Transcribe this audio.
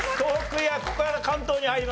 ここから関東に入ります。